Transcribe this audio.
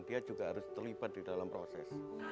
dia juga harus terlibat di dalam proses